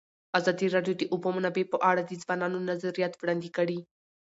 ازادي راډیو د د اوبو منابع په اړه د ځوانانو نظریات وړاندې کړي.